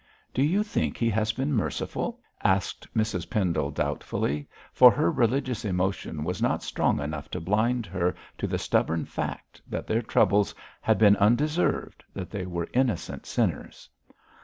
'Do you think He has been merciful?' asked Mrs Pendle, doubtfully, for her religious emotion was not strong enough to blind her to the stubborn fact that their troubles had been undeserved, that they were innocent sinners.